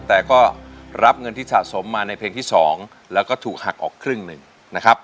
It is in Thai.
แต่ก็รับเงินที่สะสมมาในเพลงที่๒แล้วก็ถูกหักออกครึ่งหนึ่งนะครับ